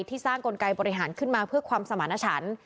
สร้างกลไกบริหารขึ้นมาเพื่อความสมาณฉัน